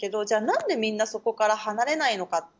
じゃあ、何でみんなそこから離れないのか。